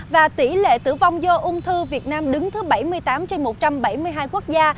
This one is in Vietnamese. và tỷ lệ tử vong do ung thư việt nam đứng thứ bảy mươi tám trên một trăm bảy mươi hai quốc gia